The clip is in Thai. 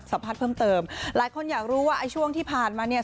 ภาพเพิ่มเติมหลายคนอยากรู้ว่าไอ้ช่วงที่ผ่านมาเนี่ย